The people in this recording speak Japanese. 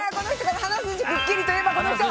「鼻筋くっきり」といえばこの人！